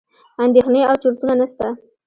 اندېښنې او چورتونه نسته.